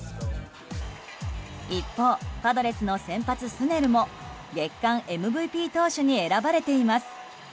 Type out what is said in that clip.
一方、パドレスの先発スネルも月間ＭＶＰ投手に選ばれています。